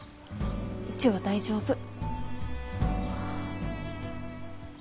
うちは大丈夫。